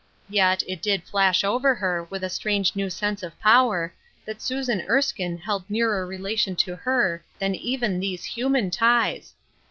Yet, it did flash over her, with a strange new sense of power, that Susan Erskine held nearer relation to her than even these human ties.